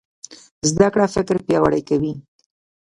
زده کړه فکر پیاوړی کوي.